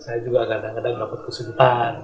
saya juga kadang kadang dapat kesulitan